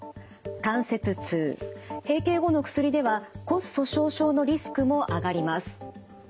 関節痛閉経後の薬では骨粗しょう症のリスクも上がります。